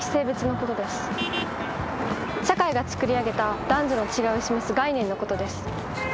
社会が作り上げた男女の違いを示す概念のことです。